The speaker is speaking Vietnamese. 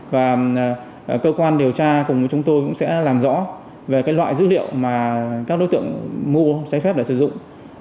và cơ quan điều tra cùng với chúng tôi cũng sẽ làm rõ về loại dữ liệu mà các đối tượng mua giấy phép để sử dụng